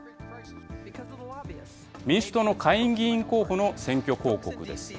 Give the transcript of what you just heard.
民主党の下院議員候補の選挙広告です。